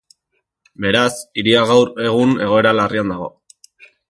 Beraz, hiria gaur egun egoera larrian dago.